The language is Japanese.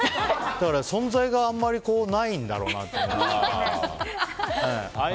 だから、存在があんまりないんだろうなとか。